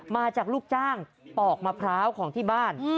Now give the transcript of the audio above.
มาจากลูกจ้างปอกมะพร้าวของที่บ้าน